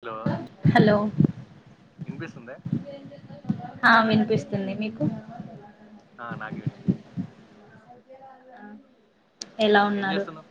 Hello hello వినిపిస్తుందా ఆ వినిపిస్తుంది. మీకు ఆ నాకి వినిపిస్తుంది. ఎలా ఏం ఉన్నారు. చేస్తున్నావ్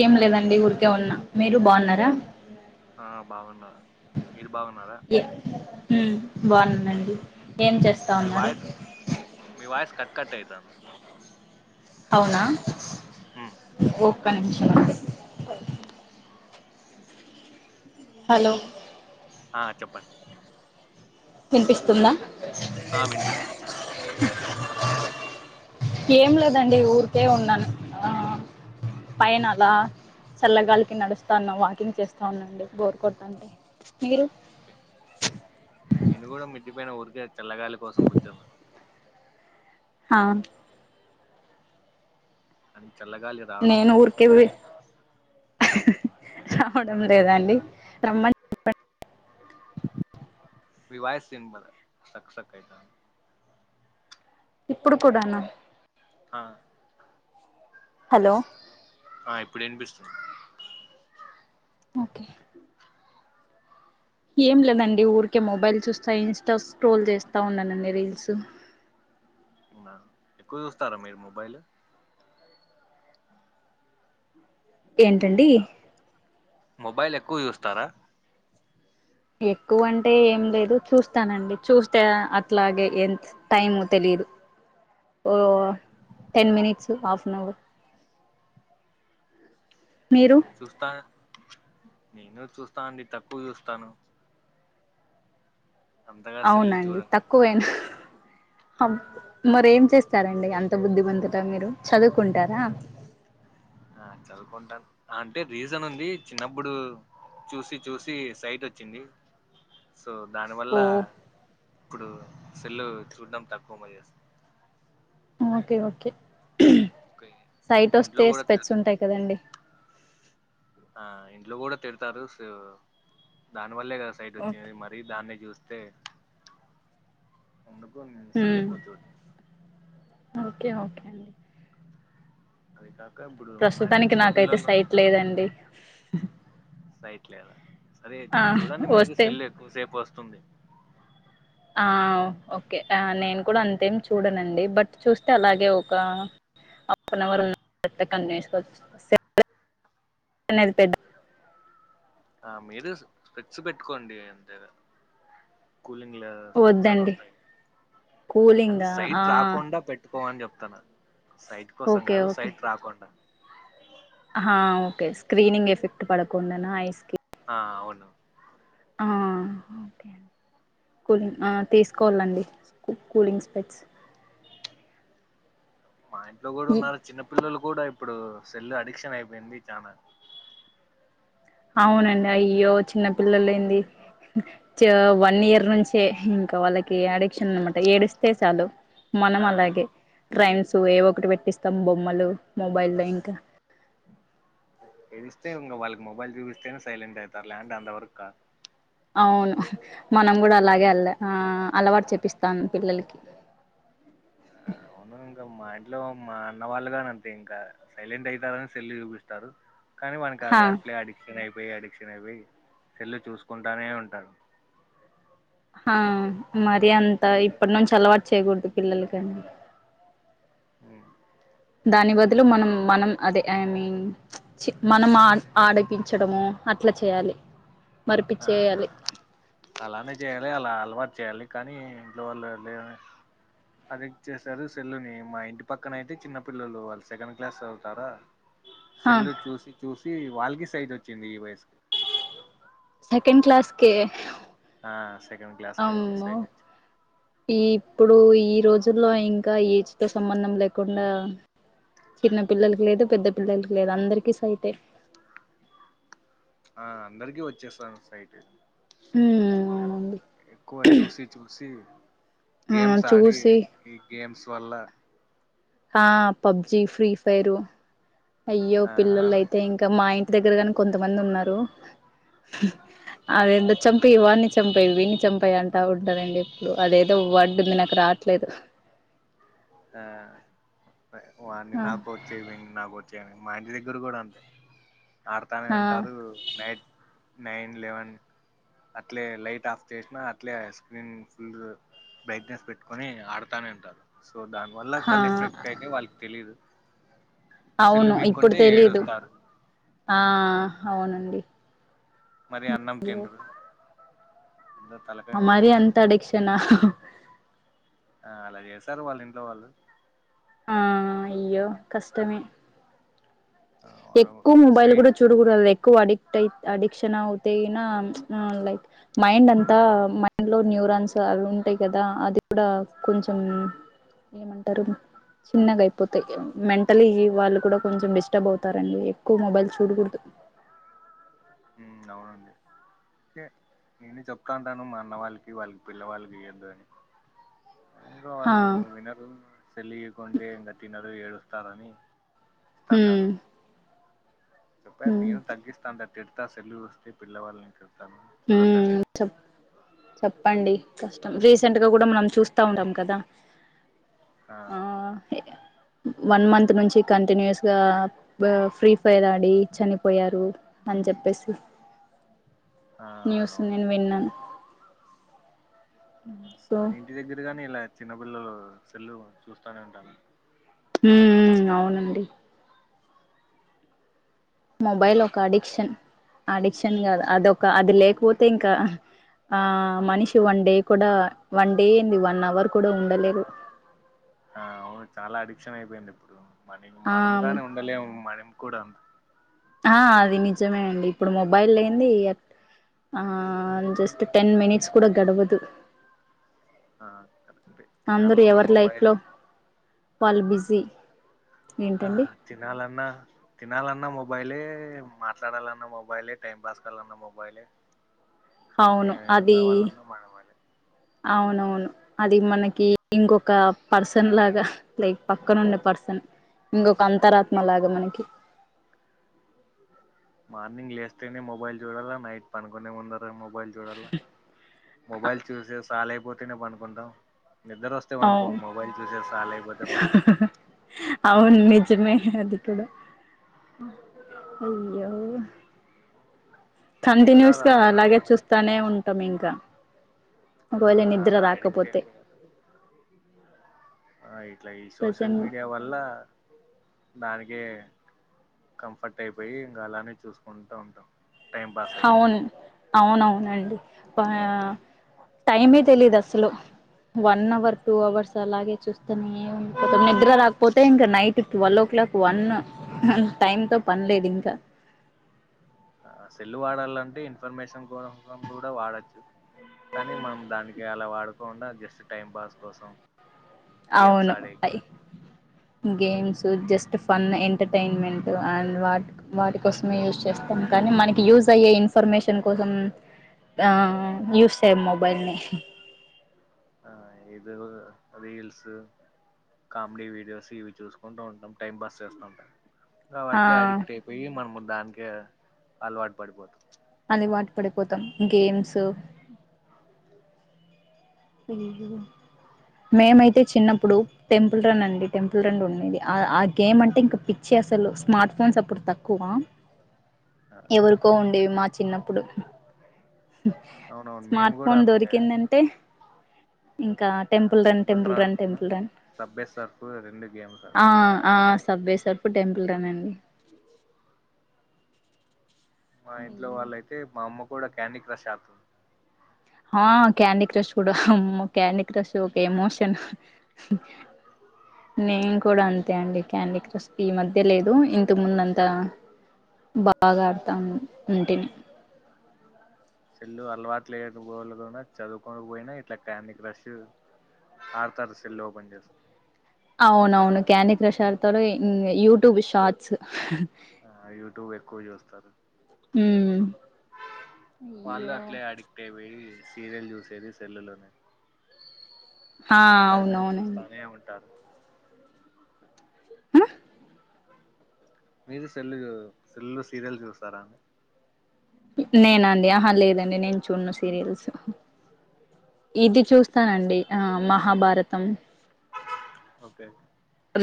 ఏం లేదండి. ఊరికే ఉన్న మీరు బాగున్నారా ఆ బాగున్నా మీరు బాగున్నారా హ్ బాగున్ననండి ఏం చేస్తా మీ ఉన్నారు. టైతంది. అవునా ఉమ్ ఒక్క నిముషాం అండి హలో ఆ చెప్పండి వినిపిస్తుంద ఆ వినిపిస్తుంది ఏం లేదండి ఊరికే ఉన్నాను. ఆ పైన అలా చల్లగాలికి నడుస్తాన్న వాకింగ్ చేస్తా ఉన్నా అండి. బోరు కొడ్తాంటే మీరు నేను కూడా మిట్టి పైన ఊరికే చల్లగాలి కోసం కూర్చున్నా హా కాని చల్లగాలి రావడం నేను లేదు. ఊరికే రావడం లేదాండి రమ్మని [inaudible] మీ వాయిస్ వినబడ స్టాక్ స్టాక్ అయితంది. ఇప్పుడు కూడానా ఆ హలో ఆ ఇప్పుడు వినిపిస్తుంది. ఓకే ఏం లేదండి ఊరికే మొబైల్ చూస్తా ఇన్స్టా స్ట్రోల్ చేస్తా ఉన్నానండి. రీల్స్ అవున ఎక్కువ చూస్తారా. మీరు మొబైల్ ఏంటండి మొబైల్ ఎక్కువ చూస్తారా ఎక్కువ అంటే ఏం లేదు చూస్తానండి చూస్తే అట్లాగే ఎంత టైమ్ తెలి హొ ten minutes half an hour [inaudible] మీరు చూస్తా నేను చూస్తా అండి. తక్కువ చూస్తాను. అంతగా సెల్ అవునండి. చూడను తక్కువేనా హా మరెం చేస్తారండి. అంత బుద్ధిమంతుల మీరు చదువుకుంటారా ఆ చదువుకుంటాను. అంటే రీజన్ ఉంది. చిన్నప్పుడు చూసి చూసి సైట్ వొచ్చింది. సో దాని వల్ల ఓ ఇప్పుడు సెల్లు చూడ్డం. తక్కువే మే చేసినా ఓకే ఓకే సైట్ ఇంట్లో వస్తే కూడా స్పెట్స్ తిడతారు ఉంటాయి కదండి ఆ ఇంట్లో కూడా తిడతారు సు దాని వల్లే గదా సైట్ ఓకే వచ్చిది మరీ దాన్నే చూస్త స్తే అందుకు సెల్ ఉమ్ చు ఓకే ఓకే అండి అది కా ప్రస్తుతానికి నాకైతే సైట్ లేదండి సైట్లేదా సరే ఆ చూడండి మీరు వస్తే సెల్ ఎక్కువసేపు వస్తుంది ఆ ఓకే ఆ నేను కూడా అంతేం చూడనండి బట్ చూస్తే అలాగే ఒక హాఫ్ అన్ అవర్ [unintelligible] అనేది పెద్ద ఆ మీరు స్పెట్స్ పెట్టుకోండి అంతే గా కూలింలో స్పెట్స్ అని వద్దండి వస్తాయి అంటే కూలింగా ఆ సైట్ రాకుండా పెట్టు పో అని చెప్తాను సైట్ కోసం గాదు సైట్ రాకుండా ఆ ఓకే స్క్రీనింగ్ ఎఫెక్ట్ పడకుండాన అయిస్ కి ఆ అవును ఆ ఓకే కూలింగ్ ఆ తీసుకోవాలండి కూలింగ్ స్పెట్స్ మా ఇంట్లో గూడా ఉన్నారు చిన్న పిల్లలు గూడా ఇప్పుడు సెల్ అడిక్షన్ అయిపోయింది చానా అవునండి అయ్యో చిన్న పిల్లలేంది చో వన్ ఇయర్ నుంచే ఇంకా వాళ్ళకి అడిక్షన్ అనమాట ఏడిస్తే చాలు మనం ఆ అలాగే రైమ్స్ ఏవో ఒకటి పెట్టిస్తాం బొమ్మలు మొబైల్ లో ఇంకా ఎడిస్తే ఇంగ వాళ్ళకి మొబైల్ చూపిస్తేనే సైలెంట్ ఆయితారు లేకుంటే అంత వరకు కారు అవును మనం గూడా అలాగే అల ఆ అలవాటు చెపిస్తాం పిల్లలకి ఆ అవును ఇంకా మా ఇంట్లో మా అన్నవాళ్ళుగాని అంతే ఇంకా సైలెంట్ అయితారని సెల్లు చూపిస్తారు కానీ వాని హా కది అట్లే అడిక్షన్ అయిపోయి అడిక్షన్ అయిపోయి సేల్లు చూసుకుంటానే ఉంటారు హ మరి అంత ఇప్పటి నుంచి అలవాటు చేయకూడదు పిల్లలకని మ్ దాని బదులు మనం మనం అదే ఐ మీన్ మనం ఆడ్ ఆడిపించడము అట్లా చేయాలి ఆ ఆ మరిపిచ్చేయాలి అలానే చేయాలి అలా అలవాటు చేయాలి కానీ ఇంట్లో వాళ్ళు లే వే అడిక్ట్ చేసారు సెల్లుని మా ఇంటి పక్కన అయితే చిన్న పిల్లలు వాళ్ళు సెకండ్ క్లాస్ చవుతారా హా సెల్లు చూసి చూసి వాల్కి సైట్ వచ్చింది ఈ వయసుకి సెకండ్ క్లాస్ కే ఆ సెకండ్ క్లాస్ కి ఆమ్మో సైట్ వచ్చింది ఇప్పుడు ఈ రోజు లో ఇంకా ఏజ్ తో సంబంధం లేకుండా చిన్న పిల్లలకి లేదు పెద్ద పిల్లలకి లేదు అందరికీ సైటే ఆ అందరికిీ వచ్చేస్తాంది సైట్ ఉమ్ అవునండి ఎక్కువ చూసి చూసి ఆ గేమ్స్ ఆడి చూసి ఈ గేమ్స్ వళ్ళ ఆ పబ్జి ఫ్రీ ఫైర్ అయ్యో ఆ పిల్లోళ్ళు అవి అయితే ఇంకా మా ఇంట్ దగ్గరగాని కొంతమంది ఉన్నారు అదేందో చంపేయ్ వాన్ని చంపేయ్ వీన్ని చంపేయ్ అంటా ఉంటదండి ఇప్పుడు అదేదో వర్డ్ ఉంది నాకు రా రావట్లేదు ఆ వాన్ని ఆ నాకొచ్చెవిని నాకొచ్చెవిని మా ఇంటి దగ్గర గూడా అంతే ఆడుతానే ఆ ఉంటారు నైట్ నైన్ లెవెన్ అట్లే లైట్ ఆఫ్ చేసినా అట్లే స్క్రీన్ ఫుల్ బ్రైట్నెస్ పెట్టుకొని ఆడతానే ఉంటారు సో దాని వల్ల ఆ కల్లెఫెక్ట్ అయితాయ్ వాళ్ళకి తెలీదు సెల్లు అవును ఇప్పుడు పీక్కుంటే తెలీదు ఏడుస్తారు ఆ అవునండి మరి అన్నం తిండ్రు అమరి అంత అడిక్షనా ఆ అలా చేస్తారు వాళ్ళు ఇంట్లో వాళ్ళు ఆ అయ్యో కష్టమే ఎక్కువ్ మొబైల్ సైడ్ కూడా చూడకూడదు క్కువ అడిక్టై అడిక్షనవుతేయిన అ లైక్ మైండ్ అంతా మైండ్ లో న్యూ రాన్స్ అవి ఉంటాయి కదా అది కూడా కొంచం ఏమంటారు చిన్నగా అయిపోతాయి మెంటలీ వాళ్ళు కూడా కొంచెం డిస్టర్బ్ అవు రండి ఎక్కువ మొబైల్ చూడకూడదు హ్మ్ అవునండి టే నేనే చెప్తా అంటాను మా అన్న వాళ్ళకి వాళ్ళ పిల్లవాళ్ళకి ఇయ్వద్దు అని ఇంకా హా వాళ్ళు వినరు సేళ్లియ్య కుంటే ఇంకా తినరు ఏడుస్తారని హ్మ్ ఇస్తాండరూ చెప్ప హ్మ్ నేను తగ్గిస్తాంత తిడత సెల్లు చూస్తే పిల్ల వాళ్ళ ఇంట్లో హ్మ్ చెప్ చెప్పండి కష్టం రీసెంట్ గా కూడా మనం చూస్తా ఉంటాం కదా ఆ ఇ వన్ మంత్ నుంచి కంటిన్యూస్ గా ఫ్రీ ఫైర్ ఆడి చనిపోయారు అని చెప్పేసి ఆ న్యూస్ అవునవును నేను విన్నాన్ మీ ఇంటి దగ్గర గాని ఇలా చిన్నపిల్లలు సెల్లు చూస్తానే ఉంటార హ్మ్ అవునండి మొబైల్ ఒక అడిక్షన్ అడిక్షన్ కాదు అదొక అది లేకపోతే ఇంకా ఆ మనిషి వన్ డే కూడా వన్ డే ఏంది వన్ అవర్ కూడా ఉండలేరు ఆ అవును చాలా అడిక్షన్ అయిపోయింది ఇప్పుడు మ ఆ మనముగానే ఉండలేము మనం కూడా ఆ అది నిజమే అండి ఇప్పుడు మొబైల్ లేందే ఇగ ఆ జస్ట్ టెన్ మినిట్స్ కూడ గడవదు ఆ కరెక్టే తినాలన్న మొబైల్ ఏ పల్బిజి ఆ తినాలన్నా తినాలన్నా మొబ్ మొబైలే మాట్లాడాలన్న మొబైలే టైం పాస్ కాలన్న మొబైలే అవును ఏం అది కావాలన్నా మనమలే అవునవును అది మనకి ఇంకొక పర్సన్ లాగా లైక్ పక్కనున్న పర్సన్ ఇంకొక అంతరాత్మ లాగా మనకి మార్నింగ్ లేస్తేనే మొబైల్ చూడాలా నైట్ పనుకొనే ముందర్ నే మొబైల్ చూడలా మొబైల్ చూసే చాల అయిపోతేనే పనుకుంటాం నిద్దరొస్తే బనుకోమ్ అవును మొబైల్ చూసే చాల అయిపోతే బనుకుంటామ్ అదికుడ అయ్యో అందరూ కంటిన్యూస్ అలా గా అడిక్ట్ అలాగే అయిపోయారు చూస్తానే ఉంటాం ఇంకా ఆ ఒకవేళ నిద్ర అలా అడిక్ట్ రాకపోతే అయిపోయారు ఆ ఇట్లా ఈ సోషల్ ప్రజెంట్ మీడియా వల్ల దానికే కంఫర్ట్ అయిపోయి ఇంకా అలానే చూసుకుంటా ఉంటాం టైం పాస్ అయ్యేది అవున్ అవునవునండి పా టైమే తెలీదస్లు వన్ అవర్ టూ అవర్స్ అలాగే చూస్తూనే ఉండిపోతాం నిద్ర రాకపోతే ఇంకా night twelve o'clock one time తో పన్లేదింకా ఆ సెల్లు వాడాల్ నంటే ఇన్ఫర్మేషన్ కోసం కూడా కూడా వాడొచ్చు కానీ మనం దాని ఇ అలా వాడకోండా జస్ట్ టైం పాస్ కోసం గేమ్స్ అవును ఆడేకి I um games just fun entertainment and what వాటి కోసమే యూస్ చేస్తాం కానీ మనకి యూజ్ అయ్యే ఇన్ఫర్మేషన్ కోసం ఆ యూస్ చేయం మొబైల్ ని ఆ ఏదో గద రీల్స్ కామెడీ వీడియోస్ ఇవి చూసుకుంటూ ఉంటాం టైం పాస్ చేస్తూ ఉంటా అవి ఆ అట్లే అడిక్ట్ అయిపోయి మనము దానికే అలవాటు పడిపోతాం అది వాటి పడిపోతాం గేమ్స్ మ్మ్ హూ మేమైతే చిన్నప్పుడు టెంపుల్ రన్ అండి టెంపుల్ రన్ ఉండిది ఆ ఆ గేమ్ అంటే ఇంక పిచ్చే అసలు స్మార్ట్ ఫోన్స్ అప్పుడు తక్కువ ఎవరికో ఉండేవి మా చిన్నప్పుడు అవునవును మేము స్మార్ట్ కూడా ఫోన్ అంతే దొరికిందంటే ఇంక temple run temple run temple run సబ్బే Surf రెండు గేమ్స్ ఆ ఆడతాం ఆ సబ్ వే సర్ఫ్ పు టెంపుల్ రన్ అండి మా ఇంట్లో అయ్యో వాళ్ళైతే మా అమ్మ కూడా క్యాండీ క్రష్ ఆతుంది అ క్యాండీ క్రష్ కూడా అమ్మో క్యాండీ క్రష్ ఒక ఎమోషన్ నేను కూడా అంతే అండి క్యాండీ క్రెష్ ఈ మధ్య లేదు ఇంతకు ముందు అంతా బాగా ఆడతాన్ ఉంటిని సెల్లు అలవాటు లేక [unintelligible] న్నా చదువుకోకపోయినా ఇట్లా క్యాండీ క్రష్ ఆడతారు సెల్ ఓపన్ చేస్ అవునవును క్యాండీ క్రష్ ఆడుతారు ఇ ఇం యూట్యూబ్ షార్ట్స్ ఆ యూట్యూబ్ ఎక్కువ చూస్తారు మ్మ్ వాళ్ళూ అయ్యో అట్లే అడిక్ట్ ఐపోయి సీరియల్ చూసేదీ సెల్ లోనే ఆ అలానే అవునవునండి చూస్తానే ఉంటారు మీది సెల్లు [inaudible] సెల్లు లో సీరియల్ చూస్తారా ని నేనా అండి ఆహా లేదండి నేను చూడను సీరియల్సు ఇది చూస్తానండి ఆ మహాభారతం ఓకే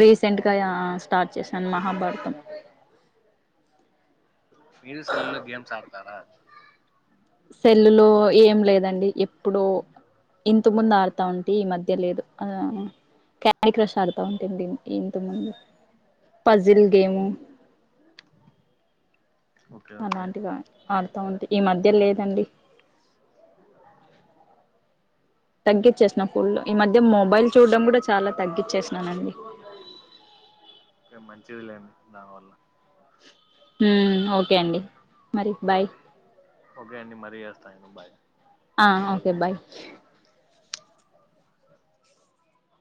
రీసెంట్ గా యా స్టార్ట్ చేశాను మహాభారతం మీరు సెల్లు లో గేమ్స్ ఆడతారా సెల్లులో ఏం లేదండి ఎప్పుడో ఇంత ముందు ఆడుతా ఉంటి ఈ మధ్య లేదు ఆ ఆ క్యాండీ క్రష్ ఆడతా ఉంటిండి ఇంతకు ముందు పసిల్ గేము ఓకే ఓకే అలాంటిగా ఆడతా ఉంటి ఈ మధ్య లేదు దండి తగ్గిచ్చేసినా ఫుల్లు ఈ మధ్య మొబైల్ చూడడం కూడా చాలా తగ్గిచ్చేసినానండి కే మంచిది లేండి దానివల్ల ఊ ఓకే అండి మరి బాయ్ ఓకే అండి మరీ చేస్తా నేను బాయ్ ఆ ఓకే బాయ్